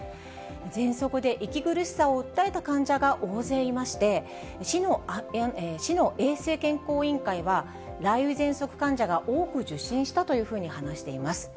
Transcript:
ぜんそくで息苦しさを訴えた患者が大勢いまして、市の衛生健康委員会は雷雨ぜんそく患者が多く受診したというふうに話しています。